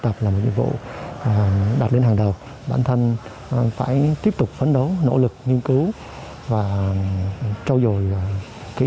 và nhiệm vụ đạt đến hàng đầu bản thân phải tiếp tục phấn đấu nỗ lực nghiên cứu và trâu dồi kỹ